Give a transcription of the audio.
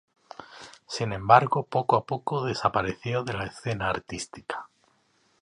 Sin embargo, poco a poco desapareció de la escena artística.